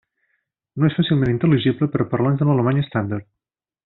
No és fàcilment intel·ligible per a parlants de l'alemany estàndard.